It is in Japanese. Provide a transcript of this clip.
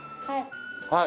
はい。